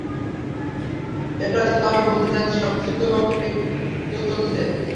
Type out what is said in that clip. এটাইতো আমি বলতে চাচ্ছি, সবকিছুতো ঠিকতো চলছে।